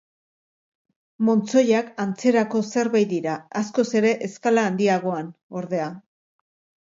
Montzoiak antzerako zerbait dira, askoz ere eskala handiagoan, ordea.